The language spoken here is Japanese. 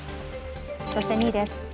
そして、２位です。